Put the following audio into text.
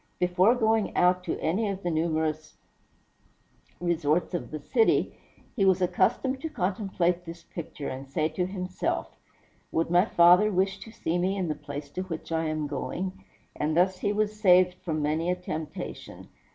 Before going out to any of the numerous resorts of the city, he was accustomed to contemplate this picture, and say to himself, "Would my father wish to see me in the place to which I am going?" and thus was he saved from many a temptation.